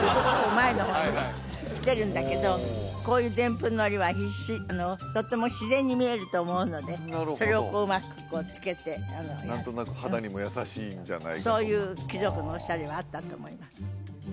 前の方にねつけるんだけどこういうでんぷんのりはとっても自然に見えると思うのでそれをこううまくつけて何となく肌にも優しいんじゃないかとかそういう貴族のオシャレはあったと思います